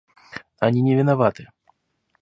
Они не виноваты.